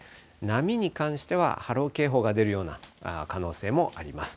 波に関しては波浪警報が出るような可能性もあります。